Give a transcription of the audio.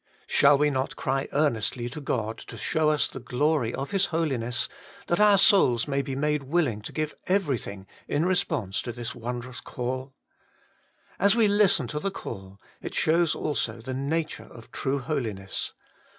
Shall we not cry earnestly to God to show us the glory of His Holiness, that our souls may be made willing to give everything in response to this wondrous call ? As we listen to the call, it shows also the nature of true Holiness.